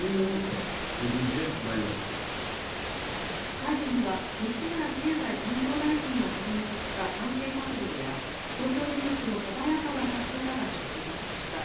会議には西村経済産業大臣をはじめとした関係閣僚や東京電力の小早川社長らが出席しました。